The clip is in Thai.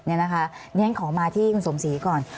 ฉันขอมาที่คุณสมศรีก่อน